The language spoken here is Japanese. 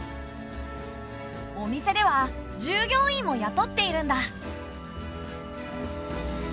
お店では従業員もやとっているんだ。